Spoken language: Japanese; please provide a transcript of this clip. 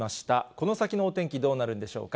この先のお天気、どうなるんでしょうか。